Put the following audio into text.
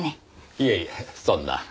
いえいえそんな。